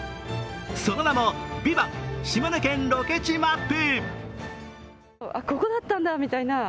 その名も「ＶＩＶＡＮＴ×島根県ロケ地ＭＡＰ」。